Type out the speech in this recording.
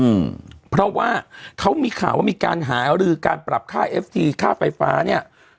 อืมเพราะว่าเขามีข่าวว่ามีการหารือการปรับค่าเอฟทีค่าไฟฟ้าเนี้ย